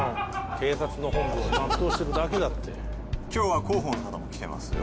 警察の本分まっとうしてるだけだって今日は広報の方も来てますよ